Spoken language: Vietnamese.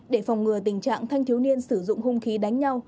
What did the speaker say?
để phòng ngừa tình trạng thanh thiếu niên sử dụng hung khí đánh nhau